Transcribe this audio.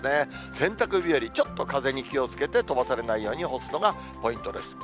洗濯日和、ちょっと風に気をつけて、飛ばされないように干すのがポイントです。